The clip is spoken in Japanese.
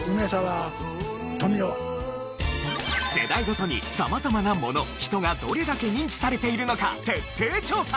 世代ごとに様々なもの人がどれだけ認知されているのか徹底調査。